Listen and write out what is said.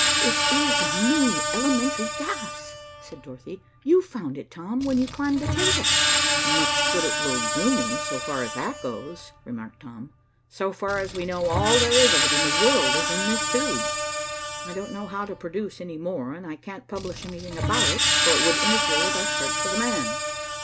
"It is a new, elementary gas," said Dorothy. "You found it, Tom, when you climbed that table." "Much good it will do me, so far as that goes," remarked Tom. "So far as we know, all there is of it in the world is in this tube. I don't know how to produce any more, and I can't publish anything about it, for it would interfere with our search for the man."